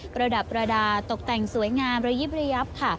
ระดับประดาษตกแต่งสวยงามระยิบระยับค่ะ